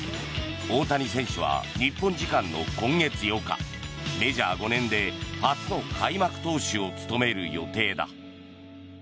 大谷選手には日本時間の今月８日メジャー４年で初の開幕投手を務める予定だ。